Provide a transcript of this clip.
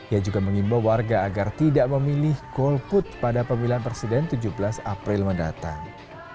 ia juga mengimbau warga agar tidak memilih golput pada pemilihan presiden tujuh belas april mendatang